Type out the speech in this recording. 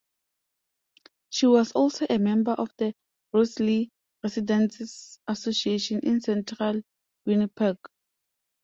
She was also a member of the Wolseley Residents's Association in central Winnipeg.